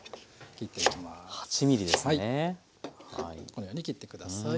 このように切って下さい。